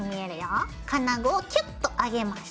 金具をキュッと上げます。